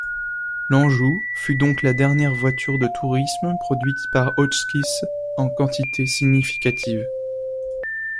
L’Anjou fut donc la dernière voiture de tourisme produite par Hotchkiss en quantité significative.